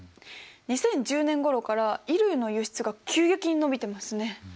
２０１０年ごろから衣類の輸出が急激に伸びてますね。